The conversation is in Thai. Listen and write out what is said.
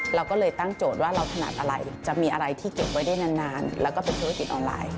เราก็เลยตั้งโจทย์ว่าเราถนัดอะไรจะมีอะไรที่เก็บไว้ได้นานแล้วก็เป็นธุรกิจออนไลน์